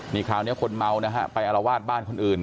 นี่คราวนี้คนเมานะฮะไปอารวาสบ้านคนอื่น